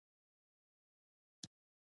دا د کاناډا ځواک دی.